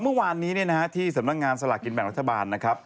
เมื่อวานนี้เนี่ยนะที่สำนักงานสลัดกินแบบราชบันทร์นะครับ